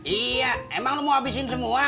iya emang lo mau habisin semua